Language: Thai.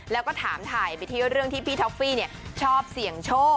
แล้วก็ถามถ่ายไปที่เรื่องที่พี่ท็อฟฟี่ชอบเสี่ยงโชค